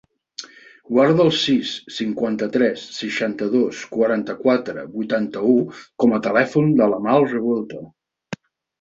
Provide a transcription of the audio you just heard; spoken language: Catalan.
Guarda el sis, cinquanta-tres, seixanta-dos, quaranta-quatre, vuitanta-u com a telèfon de l'Amal Revuelta.